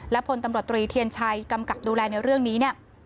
และพลตำรวจตรีเทียนชัยกำกับดูแลในเรื่องนี้เนี่ย